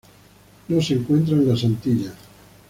No se encuentra en las Antillas.